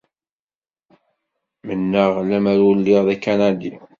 Mennaɣ lemmer ur lliɣ d Akanadi.